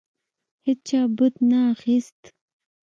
هیچا بت نه اخیست.